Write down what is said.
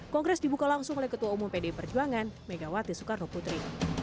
kongres dibuka langsung oleh ketua umum pdi perjuangan megawati soekarno putri